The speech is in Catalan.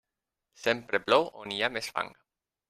Sempre plou on hi ha més fang.